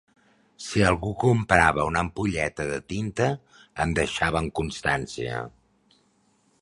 Si algú comprava una ampolleta de tinta, en deixaven constància.